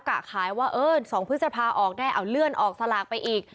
กะขายว่าเออ๒พฤษภาออกได้เอาเลื่อนออกสลากไปอีก